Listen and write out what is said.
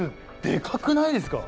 でかくないですか？